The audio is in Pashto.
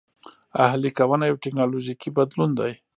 اهلي کونه یو ټکنالوژیکي بدلون دی